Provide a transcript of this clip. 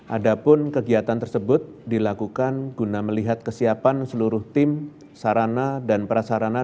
adapun kegiatan tersebut dilakukan guna melihat kesiapan seluruh tim sarana dan prasarana